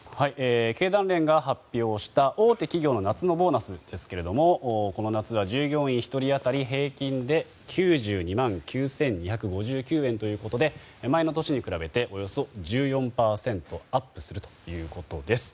経団連が発表した大手企業の夏のボーナスですけどこの夏は従業員１人当たり平均で９２万９２５９円ということで前の年に比べておよそ１４％アップするということです。